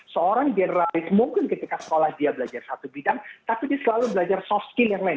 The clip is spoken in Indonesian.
seorang generalis mungkin ketika sekolah dia belajar satu bidang tapi dia selalu belajar soft skill yang lain